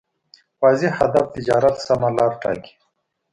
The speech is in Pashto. واضح هدف تجارت سمه لاره ټاکي.